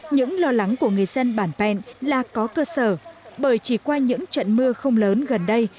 những lo lắng của người dân bản penn là có cơ sở bởi chỉ qua những trận mưa không lớn gần đây